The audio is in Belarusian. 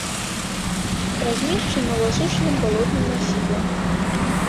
Размешчана ў асушаным балотным масіве.